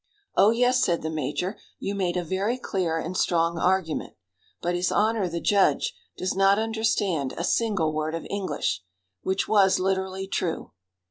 "Oh, yes," said the major, "you made a very clear and strong argument; but his honor, the judge, does not understand a single word of English," which was literally true.